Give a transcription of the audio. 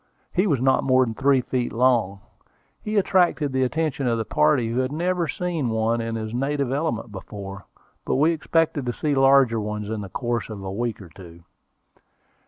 He was not more than three feet long. He attracted the attention of the party, who had never seen one in his native element before; but we expected to see larger ones in the course of a week or two.